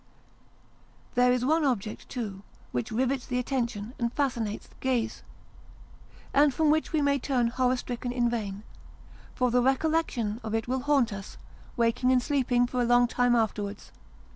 There is one object, too, which rivets the attention and fascinates the gaze, and from which we may turn horror 154 Sketches by Bos. stricken in vaiu, for the recollection of it will haunt us, waking and sleeping, for a long time afterwards.